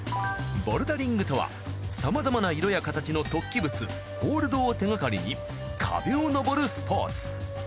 ボルダリングとはさまざまな色や形の突起物ホールドを手がかりに壁を登るスポーツ。